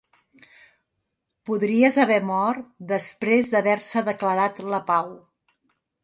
Podries haver mort després d'haver-se declarat la pau.